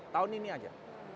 tahun ini saja